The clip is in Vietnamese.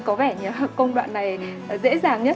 có vẻ như công đoạn này dễ dàng nhất